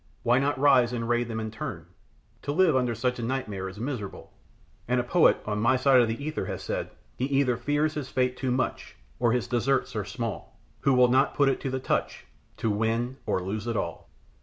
Why not rise and raid them in turn? To live under such a nightmare is miserable, and a poet on my side of the ether has said "'He either fears his fate too much, Or his deserts are small, Who will not put it to the touch, To win or lose it all.'